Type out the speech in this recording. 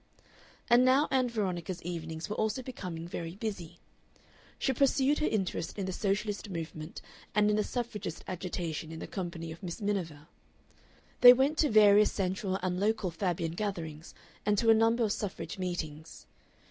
And now Ann Veronica's evenings were also becoming very busy. She pursued her interest in the Socialist movement and in the Suffragist agitation in the company of Miss Miniver. They went to various central and local Fabian gatherings, and to a number of suffrage meetings.